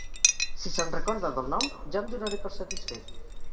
Si se'n recorda del nom, ja em donaré per satisfet.